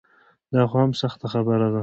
دا خو هم سخته خبره ده.